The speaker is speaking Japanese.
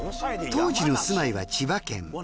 当時の住まいは千葉県。